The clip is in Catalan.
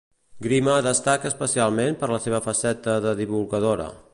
Grima destaca especialment per la seva faceta de divulgadora.